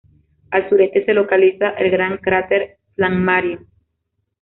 Al Sureste se localiza el gran cráter Flammarion.